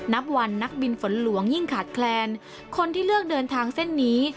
นับวันนักบินฝนหลวงยิ่งขาดแคลนคนที่เลือกเดินทางเส้นนี้